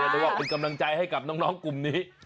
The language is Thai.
เป็นกำลังใจให้กับน้องกลุ่มนี้